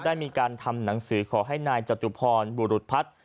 ได้มีการทำหนังสือขอให้นายจตุพรบุรุษพัฒน์